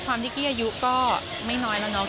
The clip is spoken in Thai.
ความที่กี้อายุก็ไม่น้อยแล้วนะ